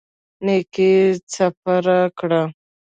نيکي خپره کړه.